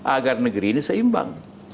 agar negeri ini seimbang